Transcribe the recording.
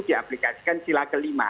diaplikasikan sila kelima